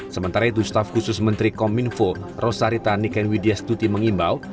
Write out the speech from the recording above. sementara itu staf khusus menteri kominfo rosarita niken widya stuti mengimbau